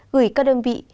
gửi các đơn vị